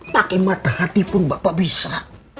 pakai mata hati pun bapak bisa